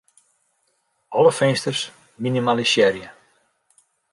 Alle finsters minimalisearje.